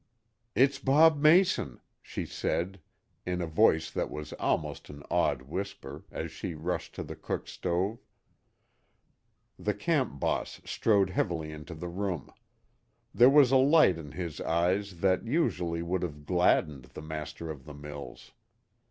"It's Bob Mason," she said, in a voice that was almost an awed whisper, as she rushed to the cook stove. The camp boss strode heavily into the room. There was a light in his eyes that usually would have gladdened the master of the mills.